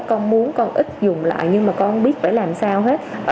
con muốn con ít dùng lại nhưng mà con biết phải làm sao hết